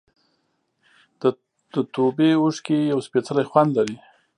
د توبې اوښکې یو سپېڅلی خوند لري.